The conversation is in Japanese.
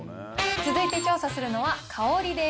続いて調査するのは、香りです。